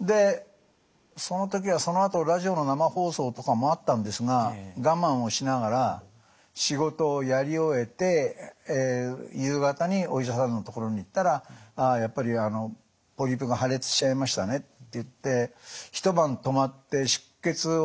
でその時はそのあとラジオの生放送とかもあったんですが我慢をしながら仕事をやり終えて夕方にお医者さんのところに行ったら「ああやっぱりポリープが破裂しちゃいましたね」って言って一晩泊まって出血を止めることができるかってやった。